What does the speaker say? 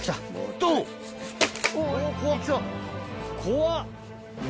怖っ！